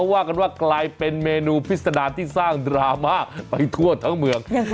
ว่ากันว่ากลายเป็นเมนูพิษดารที่สร้างดราม่าไปทั่วทั้งเมือง